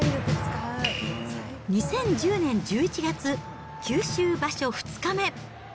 ２０１０年１１月、九州場所２日目。